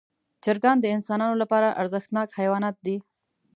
چرګان د انسانانو لپاره ارزښتناک حیوانات دي.